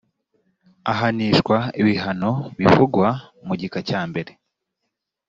ahanishwa ibihano bivugwa mu gika cya mbere